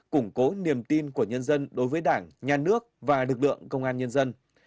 củng cố niềm tin của nhân dân đối với đảng nhà nước và lực lượng công an nhân dân